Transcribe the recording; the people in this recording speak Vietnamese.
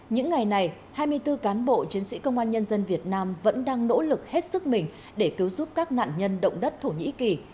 những ngày này hai mươi bốn cán bộ chiến sĩ công an nhân dân việt nam vẫn đang nỗ lực hết sức mình để cứu giúp các nạn nhân động đất thổ nhĩ kỳ